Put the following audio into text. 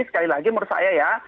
sekali lagi menurut saya ya